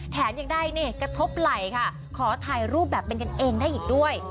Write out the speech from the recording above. แถมได้กระทบไหลค่ะขอถ่ายรูปแบบเป็นกันเองได้ด้วย